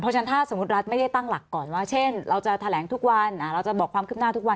เพราะฉะนั้นถ้าสมมุติรัฐไม่ได้ตั้งหลักก่อนว่าเช่นเราจะแถลงทุกวันเราจะบอกความคืบหน้าทุกวัน